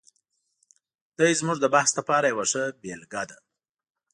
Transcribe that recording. دی زموږ د بحث لپاره یوه ښه بېلګه ده.